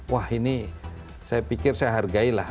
wah ini saya pikir saya hargai lah